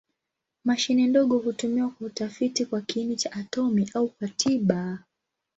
Mashine ndogo hutumiwa kwa utafiti kwa kiini cha atomi au kwa tiba.